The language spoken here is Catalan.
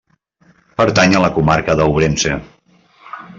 Pertany a la Comarca d'Ourense.